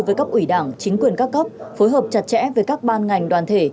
với cấp ủy đảng chính quyền các cấp phối hợp chặt chẽ với các ban ngành đoàn thể